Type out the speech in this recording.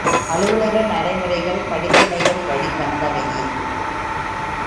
அலுவலக நடைமுறைகள், படிப்பினைகள் வழி வந்தவையே!